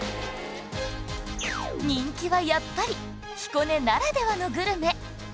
人気はやっぱり彦根ならではのグルメ